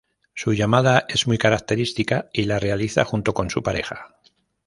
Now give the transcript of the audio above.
Su llamada es muy característica y la realiza junto con su pareja.